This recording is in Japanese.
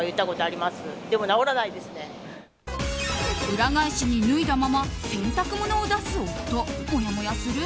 裏返しに脱いだまま洗濯物を出す夫もやもやする？